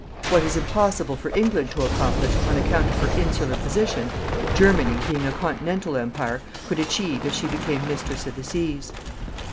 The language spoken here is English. What is impossible for England to accomplish, on account of her insular position, Germany, being a continental Empire, could achieve if she became mistress of the seas.